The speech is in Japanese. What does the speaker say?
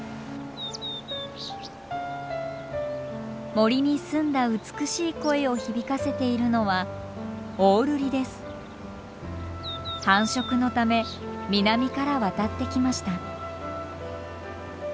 森に澄んだ美しい声を響かせているのは繁殖のため南から渡ってきました。